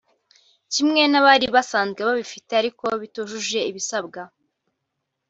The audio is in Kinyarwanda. kimwe n’abari basanzwe babifite ariko bitujuje ibisabwa